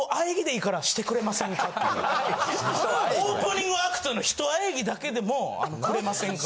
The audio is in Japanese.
オープニングアクトの一喘ぎだけでもくれませんか？